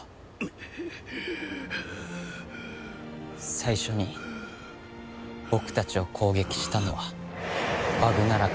最初に僕たちを攻撃したのはバグナラクだ。